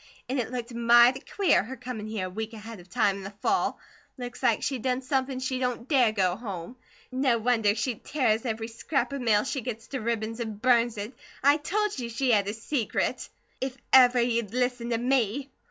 An' it looked mighty queer, her comin' here a week ahead of time, in the fall. Looks like she'd done somepin she don't DARE go home. No wonder she tears every scrap of mail she gets to ribbons an' burns it. I told you she had a secret! If ever you'd listen to me."